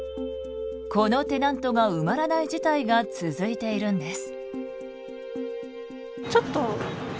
このテナントが埋まらない事態が続いているんです。